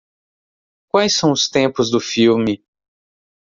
Quais são os tempos do filme?